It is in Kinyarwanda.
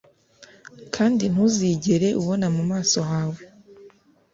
kandi ntuzigere ubona mu maso hawe